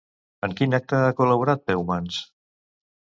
En quin acte ha col·laborat Peumans?